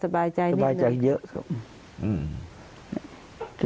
สบายใจเยอะครับ